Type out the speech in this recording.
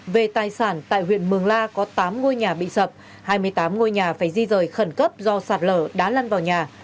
về tài sản tại huyện mường la có tám ngôi nhà bị sập hai mươi tám ngôi nhà phải di rời khẩn cấp do sạt lở đá lăn vào nhà